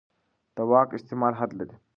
د واک استعمال حد لري